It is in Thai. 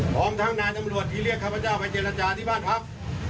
พร้อมทั้งนายตำรวจที่เรียกข้าพเจ้าไปเจรจาที่บ้านพัก